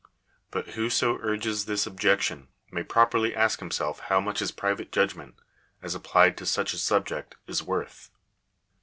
But whoso urges this objection, may properly ask himself how much his private judgment, as applied to such a subject, is worth